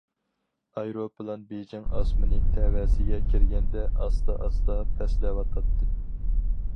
ئايروپىلان بېيجىڭ ئاسمىنى تەۋەسىگە كىرگەندە، ئاستا- ئاستا پەسلەۋاتاتتى.